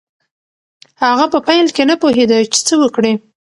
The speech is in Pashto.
هغه په پیل کې نه پوهېده چې څه وکړي.